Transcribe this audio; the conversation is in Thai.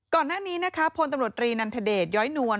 ก่อนหน้านี้นะคะพลตำรวจรีนันทเดชย้อยนวล